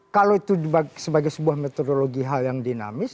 kalau itu sebagai sebuah metodologi hal yang dinamis